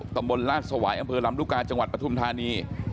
ตำบลราชสวายอำเภอลำรุกาจังหวัดปทุมธานี